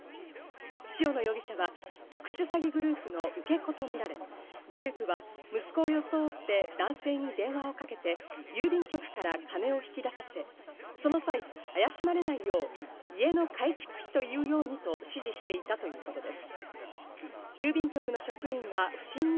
塩野容疑者は特殊詐欺グループの受け子とみられ、グループは息子を装って男性に電話をかけて、郵便局から金を引き出させ、その際、怪しまれないよう、家の改築費と言うようにと、指示していたということです。